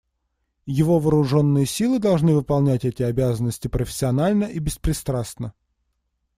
Его вооруженные силы должны выполнять эти обязанности профессионально и беспристрастно.